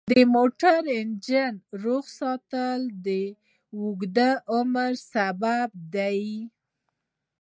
د موټر انجن روغ ساتل د اوږده عمر سبب دی.